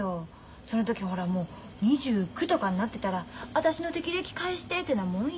その時ほらもう２９とかになってたら私の適齢期返してってなもんよ。